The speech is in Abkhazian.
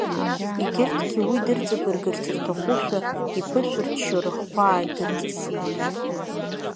Егьырҭгьы уи дырҵабыргырц рҭахушәа, иԥышәарччо, рыхқәа аадырҵысит.